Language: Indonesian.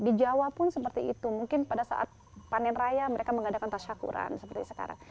di jawa pun seperti itu mungkin pada saat panen raya mereka mengadakan tasyakuran seperti sekarang